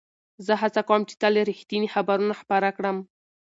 زه هڅه کوم چې تل رښتیني خبرونه خپاره کړم.